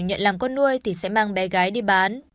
nhận làm con nuôi thì sẽ mang bé gái đi bán